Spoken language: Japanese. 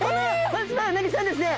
この尻尾はうなぎちゃんですね！